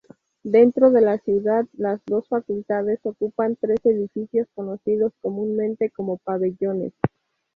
Dentro de la Ciudad, las dos facultades ocupan tres edificios conocidos comúnmente como "pabellones.